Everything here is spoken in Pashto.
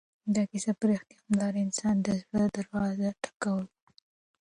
دا کیسه په رښتیا هم د هر انسان د زړه دروازه ټکوي.